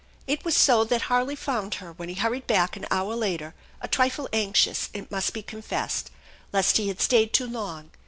It was so that Harley found her when he hurried back an hour later, a trifle anxious, it must be con fessed, lest he had stayed too long.